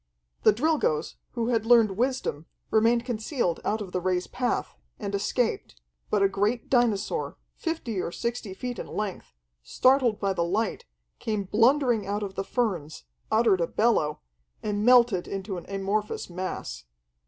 The Drilgoes, who had learned wisdom, remained concealed out of the Ray's path, and escaped, but a great dinosaur, fifty or sixty feet in length, startled by the light, came blundering out of the ferns, uttered a bellow, and melted into an amorphous mass.